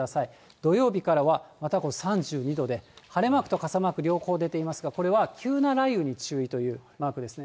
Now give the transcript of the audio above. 土曜日からはまた３２度で、晴れマークと傘マーク両方出ていますが、これは急な雷雨に注意というマークですね。